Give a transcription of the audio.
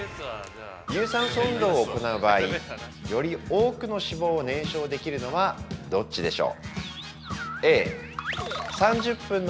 ◆有酸素運動を行う場合、より多くの脂肪を燃焼できるのはどっちでしょう？